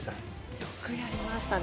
よくやりましたね。